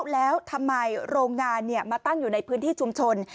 แล้วทำไมโรงงานมาตั้งอยู่ในพื้นที่ชุมชน